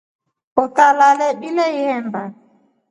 Utalale bila ihemba.